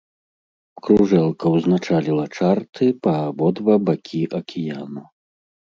Кружэлка ўзначаліла чарты па абодва бакі акіяну.